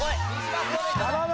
頼む！